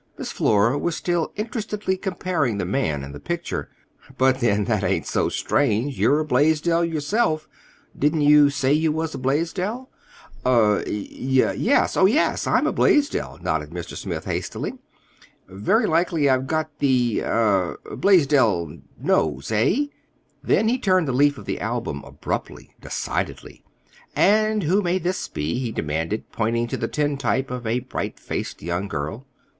Miss Flora was still interestedly comparing the man and the picture, "But, then, that ain't so strange. You're a Blaisdell yourself. Didn't you say you was a Blaisdell?" "Er—y yes, oh, yes. I'm a Blaisdell," nodded Mr. Smith hastily. "Very likely I've got the—er—Blaisdell nose. Eh?" Then he turned a leaf of the album abruptly, decidedly. "And who may this be?" he demanded, pointing to the tintype of a bright faced young girl.